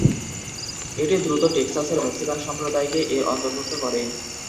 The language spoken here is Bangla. এটি দ্রুত টেক্সাসের মেক্সিকান সম্প্রদায়কে এর অন্তর্ভুক্ত করে।